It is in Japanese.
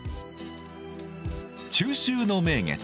中秋の名月。